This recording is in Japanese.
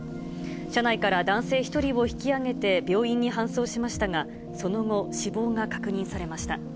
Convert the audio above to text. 車内から男性１人を引き上げて病院に搬送しましたが、その後、死亡が確認されました。